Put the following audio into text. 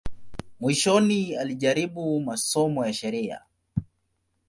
Mwishoni alijaribu masomo ya sheria.